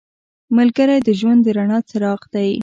ملګری د ژوند د رڼا څراغ دی